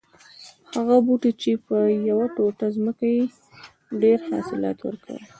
هغه بوټی چې په یوه ټوټه ځمکه کې یې ډېر حاصلات ور کول